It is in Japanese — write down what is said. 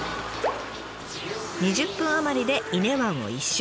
２０分余りで伊根湾を一周。